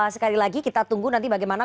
sekali lagi kita tunggu nanti bagaimana